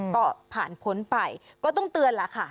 ก็ผ่านพ้นไปก็ต้องเตือนล่ะค่ะ